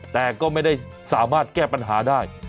แต่ก็ไม่ได้สามารถแก้ปัญหาได้